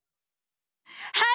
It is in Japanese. はい！